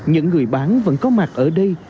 những người bán vẫn có mặt ở đây